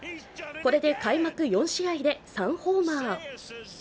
これで開幕４試合で３ホーマー。